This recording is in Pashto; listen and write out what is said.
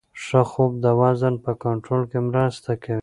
ښه خوب د وزن په کنټرول کې مرسته کوي.